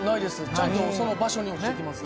ちゃんとその場所に落ちてきます。